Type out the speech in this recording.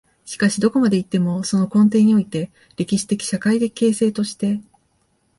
しかしどこまで行っても、その根底において、歴史的・社会的形成として、